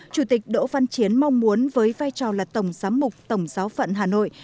chủ tịch đỗ văn chiến mong muốn với vai trò là tổng giám mục tổng giáo phận hà nội